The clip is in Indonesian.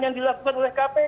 yang dilakukan oleh kpk